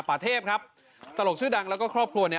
ป่าเทพครับตลกชื่อดังแล้วก็ครอบครัวเนี่ย